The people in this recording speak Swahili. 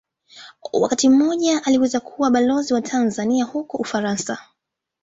Wakati mmoja aliweza kuwa Balozi wa Tanzania huko Ufaransa.